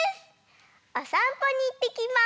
おさんぽにいってきます！